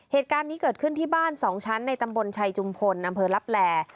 เหตุการณ์นี้เกิดขึ้นที่บ้าน๒ชั้นในตำบลชัยจุมพลอำเภอลับแหล่